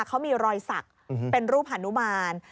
เขามีรอยสักเป็นรูปฮานุมาน